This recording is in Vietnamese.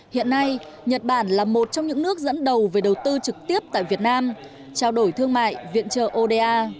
hiện nay nhật bản là một trong những nước dẫn đầu về đầu tư trực tiếp tại việt nam trao đổi thương mại viện trợ oda